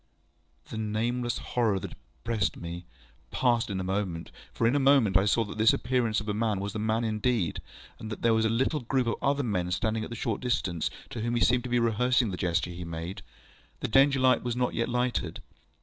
The nameless horror that oppressed me passed in a moment, for in a moment I saw that this appearance of a man was a man indeed, and that there was a little group of other men, standing at a short distance, to whom he seemed to be rehearsing the gesture he made. The Danger light was not yet lighted.